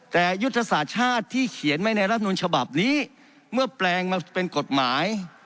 แต่ยุทธศาสตร์ชาติที่เขียนไว้ในรัฐมนุนฉบับนี้เมื่อแปลงมาเป็นกฎหมาย